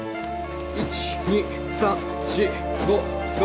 １２３４５６。